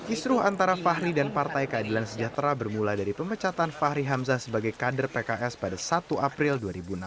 kisruh antara fahri dan partai keadilan sejahtera bermula dari pemecatan fahri hamzah sebagai kader pks pada satu april dua ribu enam belas